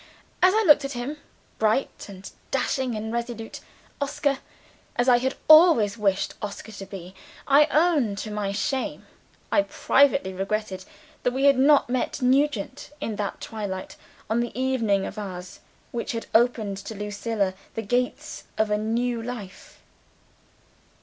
As I looked at him bright and dashing and resolute; Oscar, as I had always wished Oscar to be I own to my shame I privately regretted that we had not met Nugent in the twilight, on that evening of ours which had opened to Lucilla the gates of a new life.